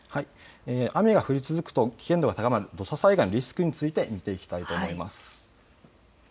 雨が降り続くと危険度が高まる土砂災害のリスクについて見ていきたいと思います。